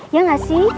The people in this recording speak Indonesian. ya nggak sih